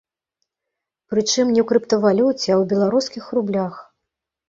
Прычым, не ў крыптавалюце, а ў беларускіх рублях.